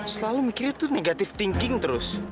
selalu mikirnya tuh negative thinking terus